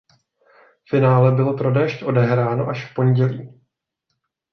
Finále bylo pro déšť odehráno až v pondělí.